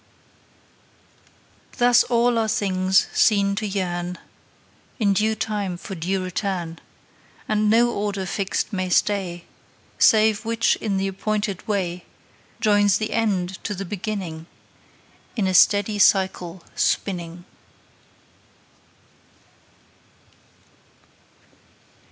Thus are all things seen to yearn In due time for due return; And no order fixed may stay, Save which in th' appointed way Joins the end to the beginning In a steady cycle spinning.